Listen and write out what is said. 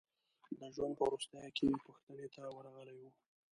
د ژوند په وروستیو کې پوښتنې ته ورغلي وو.